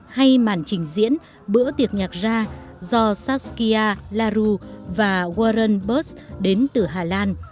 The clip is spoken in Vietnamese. hay màn trình diễn bữa tiệc nhạc ra do saskia larue và warren burse đến từ hà lan